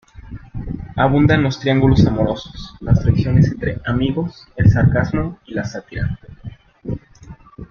Abundan los triángulos amorosos, las traiciones entre "amigos", el sarcasmo y la sátira.